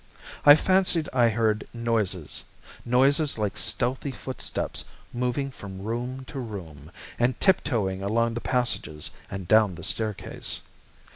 I fancied I heard noises, noises like stealthy footsteps moving from room to room, and tiptoeing along the passages and down the staircase.